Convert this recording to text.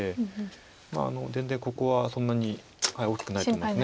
全然ここはそんなに大きくないと思います。